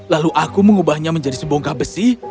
lalu aku mengubahnya menjadi sebongkah besi